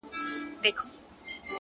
خپل هدفونه په صبر تعقیب کړئ.!